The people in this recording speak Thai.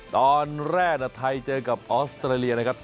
ตอนแรกไทยเจอกับออสเตรเลียนะครับ